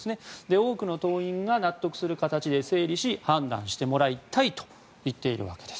多くの党員が納得する形で整理し判断してもらいたいと言っているわけです。